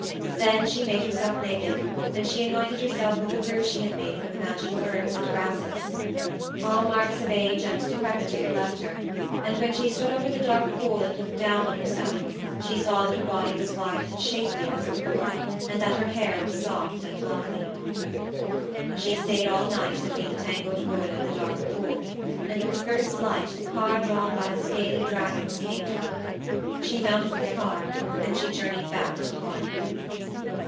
Then she made herself naked, and she anointed herself with the brew she had made from the magical herbs and grasses. All marks of age and decrepitude left her, and when she stood over the dark pool and looked down on herself she saw that her body was white and shapely as before, and that her hair was soft and lovely. She stayed all night between the tangled wood and the dark pool, and with the first light the car drawn by the scaly dragons came to her. She mounted the car, and she journeyed back to Corinth.